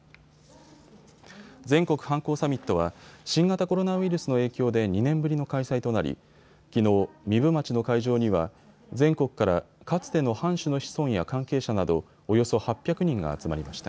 全国藩校サミットは新型コロナウイルスの影響で２年ぶりの開催となり、きのう壬生町の会場には全国から、かつての藩主の子孫や関係者などおよそ８００人が集まりました。